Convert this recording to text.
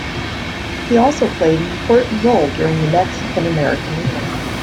He also played an important role during the Mexican-American War.